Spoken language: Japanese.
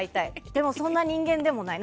でも、そんな人間でもない